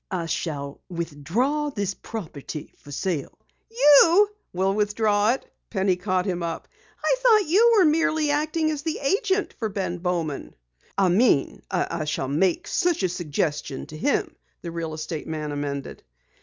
"I shall withdraw this property for sale " "You will withdraw it!" Penny caught him up. "I thought you merely were acting as the agent for Benjamin Bowman!" "I mean I shall make such a suggestion to him," the real estate man amended.